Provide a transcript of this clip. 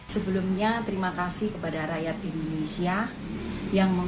sebelumnya terima kasih kepada rakyat indonesia